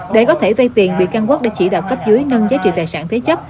để có thể vây tiền bị can quốc đã chỉ đạo cấp dưới nâng giá trị tài sản thế chấp